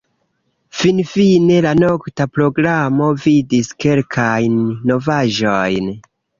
Finfine la nokta programo vidis kelkajn novaĵojn.